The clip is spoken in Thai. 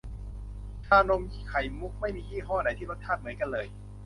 ชานมไข่มุกไม่มียี่ห้อไหนที่รสชาติเหมือนกันเลย